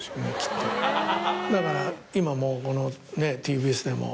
だから今もこのＴＢＳでも。